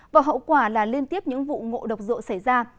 và hậu quả là liên tiếp những vụ ngộ độc rượu xảy ra